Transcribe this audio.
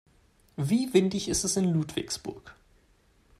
Wie windig ist es in Ludwigsburg?